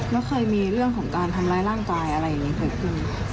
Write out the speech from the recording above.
ไม่เคยมีเรื่องของการทำร้ายร่างกายอะไรอย่างนี้เกิดขึ้น